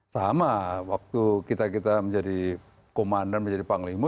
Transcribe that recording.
sama waktu kita kita menjadi komandan menjadi panglima